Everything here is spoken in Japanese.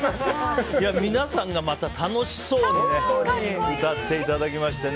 皆さんがまた楽しそうに歌っていただきましてね。